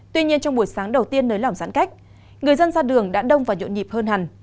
tuy nhiên trong buổi sáng đầu tiên nới lỏng giãn cách người dân ra đường đã đông và nhộn nhịp hơn hẳn